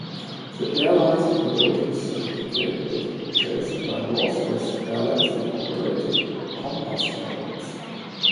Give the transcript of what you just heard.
The airline's operating certificate was purchased by Northwest Airlines and operated Compass Airlines.